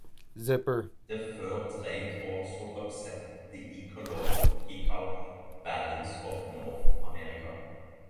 The fur trade also upset the ecological balance of North America.